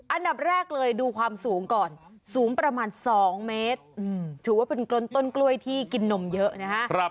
อันดับแรกเลยดูความสูงก่อนสูงประมาณ๒เมตรถือว่าเป็นกล้นต้นกล้วยที่กินนมเยอะนะฮะ